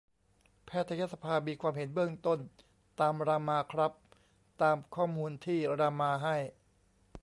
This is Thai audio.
แพทยสภามีความเห็นเบื้องต้น ตามรามาครับ ตามข้อมูลที่รามาให้